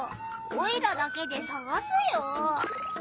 オイラだけでさがすよ。